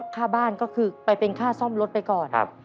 ค่าบ้านก็คือไปเป็นค่าซ่อมรถไปก่อน